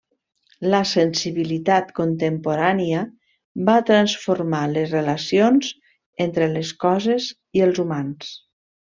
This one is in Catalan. La sensibilitat contemporània va transformar les relacions entre les coses i els humans.